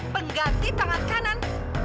pengganti tangan kanan